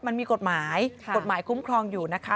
มันมีกฎหมายกฎหมายคุ้มครองอยู่นะคะ